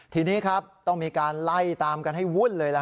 ทีนี้ครับต้องมีการไล่ตามกันให้วุ่นเลย